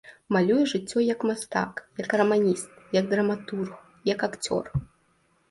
Малюе жыццё, як мастак, як раманіст, як драматург, як акцёр.